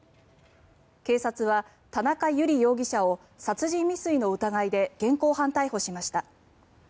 警察は田中友理容疑者を殺人未遂の疑いで現行犯逮捕しました。